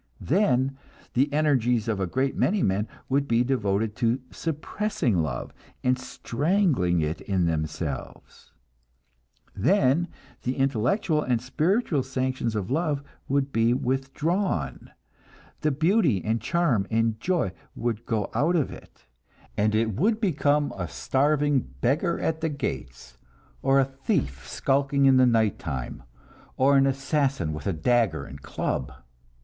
Then the energies of a great many men would be devoted to suppressing love and strangling it in themselves; then the intellectual and spiritual sanctions of love would be withdrawn, the beauty and charm and joy would go out of it, and it would become a starving beggar at the gates, or a thief skulking in the night time, or an assassin with a dagger and club.